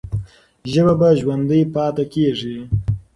ژبه به ژوندۍ پاتې کېږي.